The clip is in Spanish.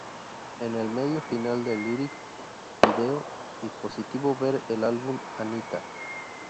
En el medio final del lyric video y positivo ver el álbum "Anitta".